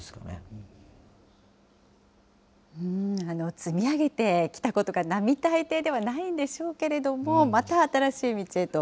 積み上げてきたことが並大抵ではないんでしょうけれども、また新しい道へと。